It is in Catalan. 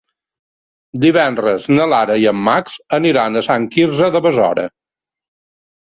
Divendres na Lara i en Max aniran a Sant Quirze de Besora.